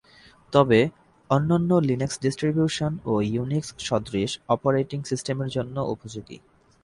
তবে অন্যান্য Linux distribution ও ইউনিক্স-সদৃশ অপারেটিং সিস্টেমের জন্যেও উপযোগী।